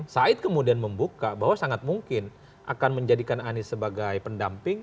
said kemudian membuka bahwa sangat mungkin akan menjadikan anies sebagai pendamping